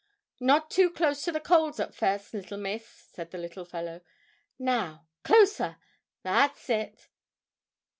"Not too close to the coals at first, Little Miss," said the little fellow. "Now, closer! That's it!"